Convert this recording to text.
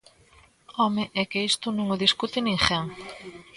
¡Home, é que isto non o discute ninguén!